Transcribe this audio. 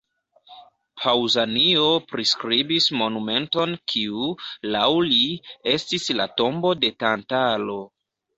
Paŭzanio priskribis monumenton kiu, laŭ li, estis la tombo de Tantalo.